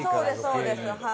そうですはい。